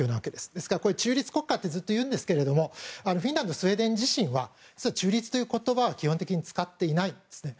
ですから中立国家ってずっというんですけどもフィンランドとスウェーデン自身は中立という言葉は基本的に使っていないんですね。